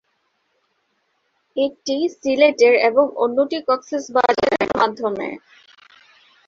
একটি সিলেটের এবং অন্যটি কক্সবাজারের মাধ্যমে।